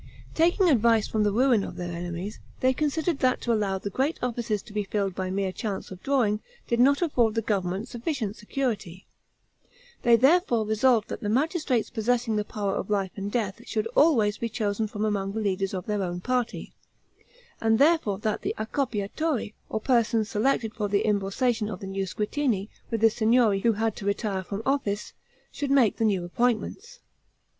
Taking advice from the ruin of their enemies, they considered that to allow the great offices to be filled by mere chance of drawing, did not afford the government sufficient security, they therefore resolved that the magistrates possessing the power of life and death should always be chosen from among the leaders of their own party, and therefore that the Accoppiatori, or persons selected for the imborsation of the new Squittini, with the Signory who had to retire from office, should make the new appointments.